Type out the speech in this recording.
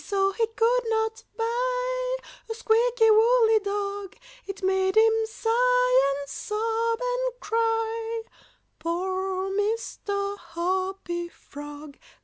So he could not buy A squeaky woolly dog; It made him sigh and sob and cry, Poor Mr. Hoppy Frog!